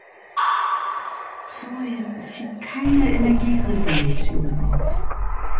So sieht keine Energierevolution aus.